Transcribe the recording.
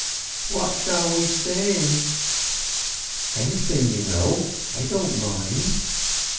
"What shall we sing?" "Anything you know; I don't mind."